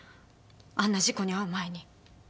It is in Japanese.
あんな事故に遭う前に。